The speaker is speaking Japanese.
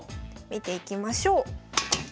見ていきましょう。